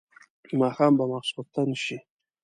ماښام به ماخستن شي.